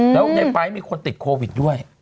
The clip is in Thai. แล้วในไฟล์มีคนติดโควิดด้วย